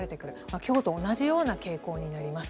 今日と同じような傾向になります。